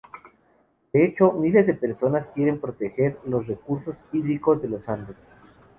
De hecho, miles de personas quieren proteger los recursos hídricos de los Andes.